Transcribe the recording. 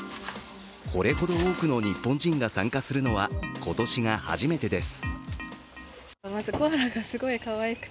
これほど多くの日本人が参加するのは今年が初めてです。